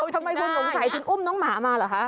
ทำไมคุณสงสัยถึงอุ้มน้องหมามาเหรอคะ